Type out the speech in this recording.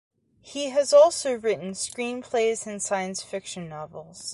He has also written screenplays and science-fiction novels.